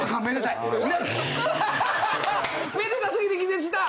めでた過ぎて気絶した！